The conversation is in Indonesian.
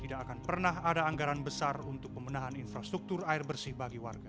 tidak akan pernah ada anggaran besar untuk pemenahan infrastruktur air bersih bagi warga